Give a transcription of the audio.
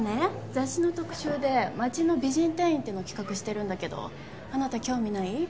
雑誌の特集で「街の美人店員」っていうのを企画してるんだけどあなた興味ない？